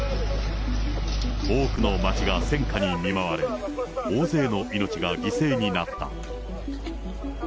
多くの町が戦禍に見舞われ、大勢の命が犠牲になった。